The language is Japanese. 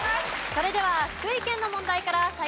それでは福井県の問題から再開です。